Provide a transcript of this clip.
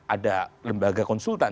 ada lembaga konsultan